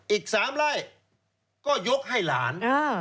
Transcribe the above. อีก๓ไร่ก็ยกให้หลาน